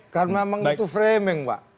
karena memang itu framing mbak